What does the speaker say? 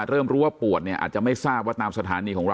เริ่มรู้ว่าปวดเนี่ยอาจจะไม่ทราบว่าตามสถานีของเรา